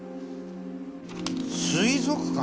水族館？